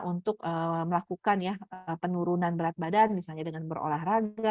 untuk melakukan ya penurunan berat badan misalnya dengan berolahraga